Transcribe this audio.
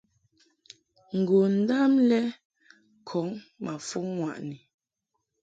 Ngondam lɛ kɔŋ ma fuŋ ŋwaʼni.